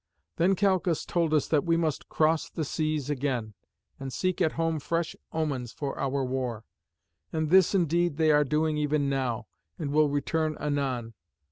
Then Calchas told us that we must cross the seas again, and seek at home fresh omens for our war. And this, indeed, they are doing even now, and will return anon.